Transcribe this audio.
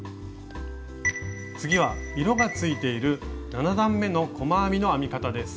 次は色がついている７段めの細編みの編み方です。